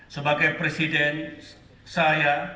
sebagai presiden saya